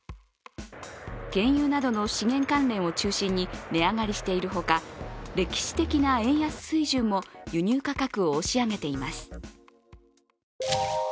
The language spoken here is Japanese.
原油などの資源関連を中心に値上がりしているほか歴史的な円安水準も輸入価格を押し上げています。